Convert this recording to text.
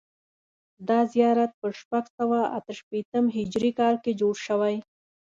دا زیارت په شپږ سوه اته شپېتم هجري کال کې جوړ شوی.